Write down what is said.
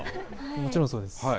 もちろんそうです。